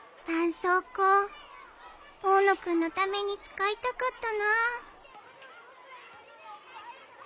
そうこう大野君のために使いたかったな